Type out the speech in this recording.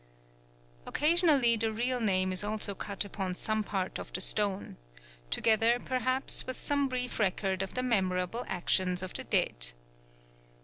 Occasionally the real name is also cut upon some part of the stone, together, perhaps, with some brief record of the memorable actions of the dead.